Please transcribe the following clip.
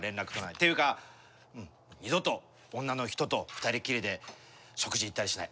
っていうかうん二度と女の人と２人きりで食事行ったりしない。